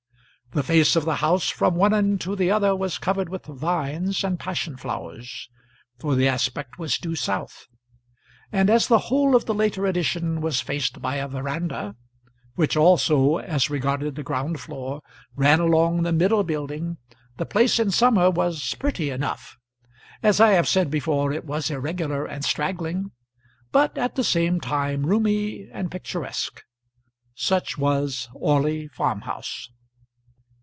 The face of the house from one end to the other was covered with vines and passion flowers, for the aspect was due south; and as the whole of the later addition was faced by a verandah, which also, as regarded the ground floor, ran along the middle building, the place in summer was pretty enough. As I have said before, it was irregular and straggling, but at the same time roomy and picturesque. Such was Orley Farm house.